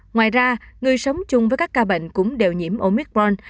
ngoài ra người sống chung với các ca bệnh cũng đều nhiễm omicbon